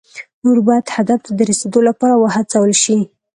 نور باید هدف ته د رسیدو لپاره وهڅول شي.